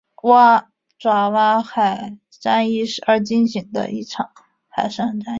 爪哇海战役而进行的一场海上战役。